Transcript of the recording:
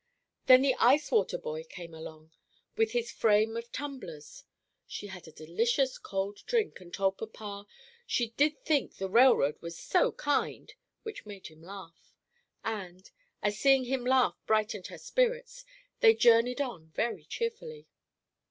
Then the ice water boy came along, with his frame of tumblers; she had a delicious cold drink, and told papa "she did think the railroad was so kind," which made him laugh; and, as seeing him laugh brightened her spirits, they journeyed on very cheerfully.